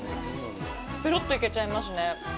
ぺろっといけちゃいますね。